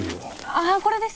ああこれです！